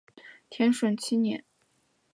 天顺七年。